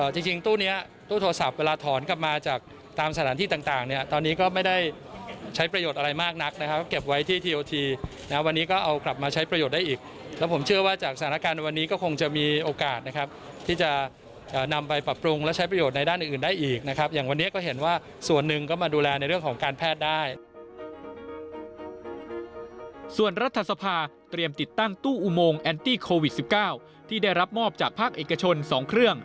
จริงจริงตู้เนี้ยตู้โทรศัพท์เวลาถอนกลับมาจากตามสถานที่ต่างต่างเนี้ยตอนนี้ก็ไม่ได้ใช้ประโยชน์อะไรมากนักนะครับเก็บไว้ที่ทีโอทีแล้ววันนี้ก็เอากลับมาใช้ประโยชน์ได้อีกแล้วผมเชื่อว่าจากสถานการณ์วันนี้ก็คงจะมีโอกาสนะครับที่จะเอ่อนำไปปรับปรุงและใช้ประโยชน์ในด้านอื่นอื่นได้อีกนะครับอย่างว